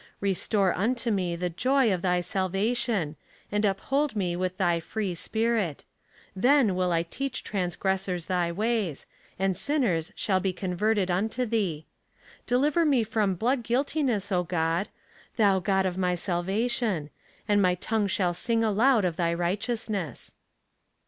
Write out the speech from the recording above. Restore unto me the joy of thy salva tion; and uphold me with thy free spirit: then will I teach transgressors thy ways; and sin ners shall be converted unto thee. Deliver me from bloodguiltiuess, O God ; thou God of my salvation ; and my tongue shall sing aloud of thy righteousness."